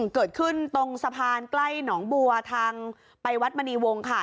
เกิดขึ้นตรงสะพานใกล้หนองบัวทางไปวัดมณีวงค่ะ